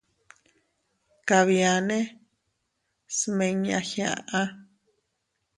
Kabiane smiña giaʼa.